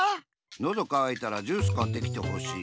のどかわいたらジュースかってきてほしい。